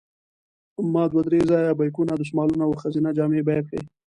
ما دوه درې ځایه بیکونه، دستمالونه او ښځینه جامې بیه کړې.